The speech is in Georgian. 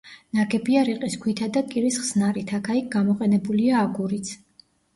ნაგებია რიყის ქვითა და კირის ხსნარით, აქა-იქ გამოყენებულია აგურიც.